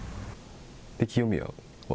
清宮は。